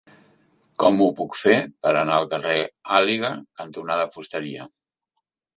Com ho puc fer per anar al carrer Àliga cantonada Fusteria?